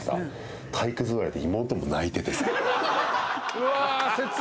うわ。